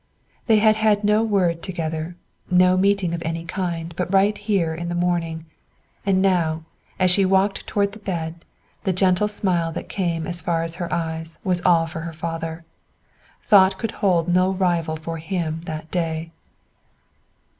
They had had no word together, no meeting of any kind but right here in the morning; and now, as she walked toward the bed, the gentle smile that came as far as her eyes was all for her father. Thought could hold no rival for him that day.